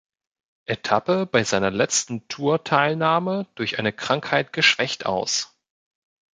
Etappe bei seiner letzten Tour-Teilnahme durch eine Krankheit geschwächt aus.